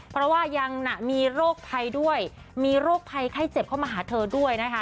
เพราะว่ายังมีโรคภัยด้วยมีโรคภัยไข้เจ็บเข้ามาหาเธอด้วยนะคะ